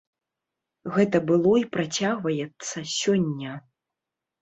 Гэта было і працягваецца сёння.